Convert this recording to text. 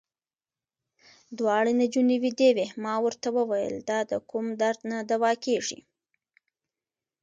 دواړې نجونې وېدې وې، ما ورته وویل: دا د کوم درد نه دوا کېږي.